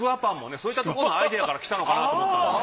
そういうところのアイデアからきたのかなと思ったんですけど。